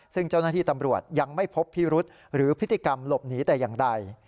ซึ่งเจ้าหน้าที่ตำรวจยังไม่พบพิรุษหรือพฤติกรรมหลบหนีแต่อย่างใด